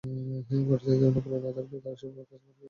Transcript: পরিস্থিতি অনুকূলে না থাকলেও তারা সেভাবেই কাজ করার চেষ্টা করে।